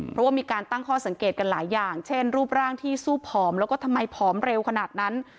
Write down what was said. เพราะว่ามีการตั้งข้อสังเกตกันหลายอย่างเช่นรูปร่างที่สู้ผอมแล้วก็ทำไมผอมเร็วขนาดนั้น